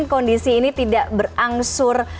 kondisi ini tidak berangsur